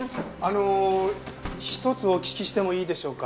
あの一つお聞きしてもいいでしょうか？